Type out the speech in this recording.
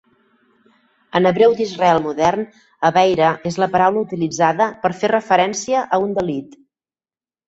En hebreu d'Israel modern, "aveira" és la paraula utilitzada per fer referència a un delit.